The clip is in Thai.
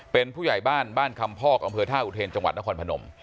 เป็นผู้ใหญ่บ้านบ้านคำพอกอำเภอท่าอุเทนจังหวัดนครพนม